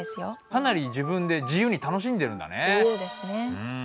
かなり自分で自由に楽しんでるんだね。